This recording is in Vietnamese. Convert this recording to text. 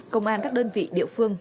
công an các đơn vị địa phương